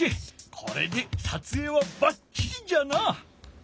これでさつえいはばっちりじゃな！